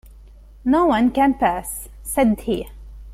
"No one can pass," said he.